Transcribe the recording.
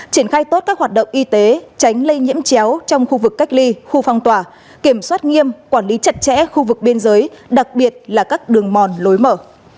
triển khai tốt các hoạt động y tế tránh lây nhiễm chéo trong khu vực cách ly khu phong tỏa kiểm soát nghiêm quản lý chặt chẽ khu vực biên giới đặc biệt là các đường mòn lối mở